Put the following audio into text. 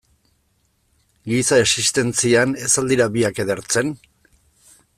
Giza existentzian, ez al dira biak edertzen?